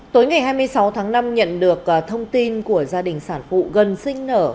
tối ngày hai mươi sáu tháng năm nhận được thông tin của gia đình sản phụ gần sinh nở